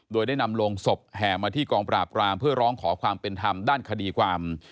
โดยได้นำลงศพแห่มาที่กองปราบรามเพื่อร้องขอความเป็นธรรมด้านคดีความ